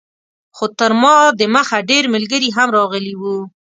خو تر ما دمخه ډېر ملګري هم راغلي وو.